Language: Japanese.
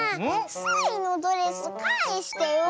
スイのドレスかえしてよ！